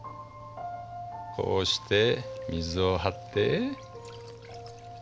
こうして水を張って。